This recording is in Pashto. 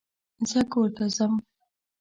زه کورته ځم